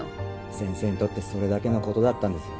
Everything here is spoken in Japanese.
先生にとってそれだけのことだったんですよ